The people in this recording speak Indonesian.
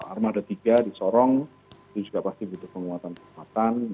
armada tiga di sorong itu juga pasti butuh penguatan penguatan